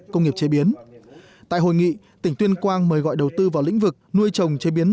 công nghiệp chế biến tại hội nghị tỉnh tuyên quang mời gọi đầu tư vào lĩnh vực nuôi trồng chế biến